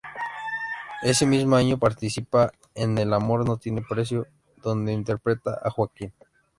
Ese mismo año participa en "El amor no tiene precio", donde interpreta a Joaquín.